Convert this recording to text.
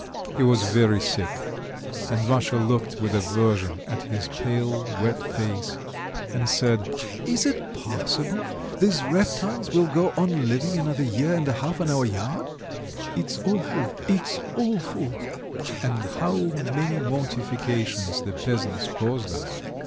He was very sick, and Masha looked with aversion at his pale, wet face, and said: "Is it possible these reptiles will go on living another year and a half in our yard? It's awful! it's awful!" And how many mortifications the peasants caused us!